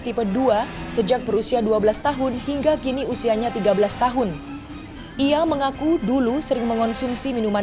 tipe dua sejak berusia dua belas tahun hingga kini usianya tiga belas tahun ia mengaku dulu sering mengonsumsi minuman